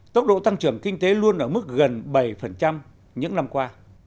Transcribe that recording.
tốc độ tăng trưởng kinh tế luôn ở mức gần bảy những năm qua